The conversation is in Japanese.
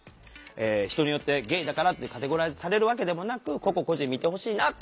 人によってゲイだからってカテゴライズされるわけでもなく個々個人見てほしいなと思ってこれ。